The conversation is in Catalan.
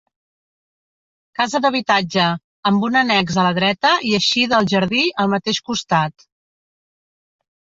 Casa d'habitatge, amb un annex a la dreta i eixida al jardí al mateix costat.